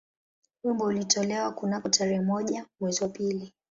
Wimbo ulitolewa kunako tarehe moja mwezi wa pili